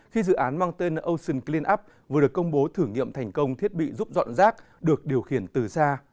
khi dự án mang tên ocean cleanup vừa được công bố thử nghiệm thành công thiết bị giúp dọn rác được điều khiển từ xa